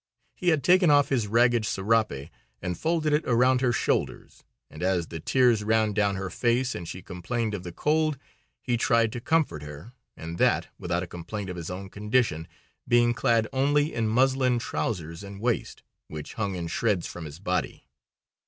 He had taken off his ragged serape and folded it around her shoulders, and as the tears ran down her face and she complained of the cold, he tried to comfort her, and that without a complaint of his own condition, being clad only in muslin trowsers and waist, which hung in shreds from his body.